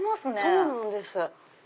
そうなんです。